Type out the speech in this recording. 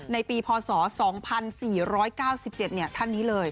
ในปีพศ๒๔๙๗ท่านนี้เลย